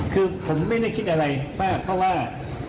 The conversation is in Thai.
คือผมไม่ได้คิดอะไรมากเพราะว่า